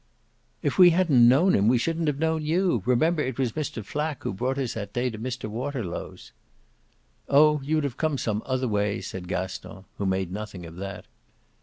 "If we hadn't known him we shouldn't have known YOU. Remember it was Mr. Flack who brought us that day to Mr. Waterlow's." "Oh you'd have come some other way," said Gaston, who made nothing of that.